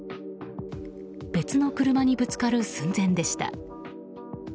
別の車にぶつかる寸前でした。